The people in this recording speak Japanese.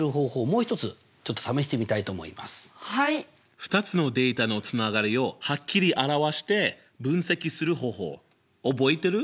２つのデータのつながりをはっきり表して分析する方法覚えてる？